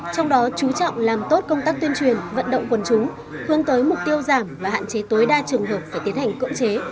trong đó chú trọng làm tốt công tác tuyên truyền vận động quần chúng hướng tới mục tiêu giảm và hạn chế tối đa trường hợp phải tiến hành cưỡng chế